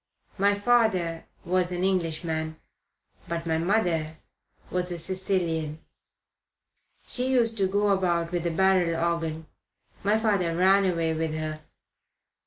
My father was an Englishman; but my mother was a Sicilian. She used to go about with a barrel organ my father ran away with her.